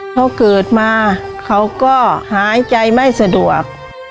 เขาเกิดมาเขาก็หายใจไม่สะดวก